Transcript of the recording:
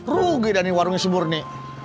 rugi dah nih warungnya seburni